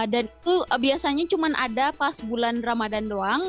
dan itu biasanya cuma ada pas bulan ramadhan doang